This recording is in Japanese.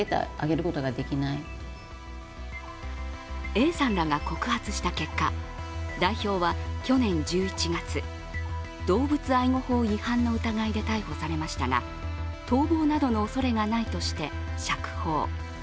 Ａさんらが告発した結果、代表は去年１１月、動物愛護法違反の疑いなどで逮捕されましたが、逃亡などの恐れがないとして釈放。